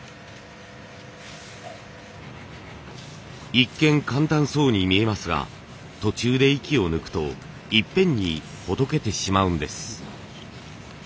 一見簡単そうに見えますが途中で息を抜くといっぺんにほどけてしまうんです。